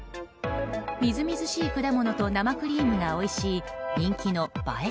みずみずしい果物と生クリームがおいしい人気の映え